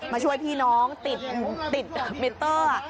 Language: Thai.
มาช่วยพี่น้องติดมิเตอร์